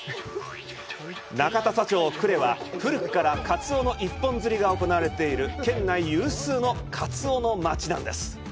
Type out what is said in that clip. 中土佐町久礼は、古くからカツオの一本釣りが行われている県内有数のカツオの町であります。